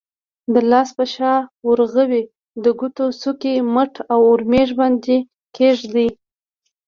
د لاس په شا، ورغوي، د ګوتو څوکو، مټ او اورمیږ باندې کېږدئ.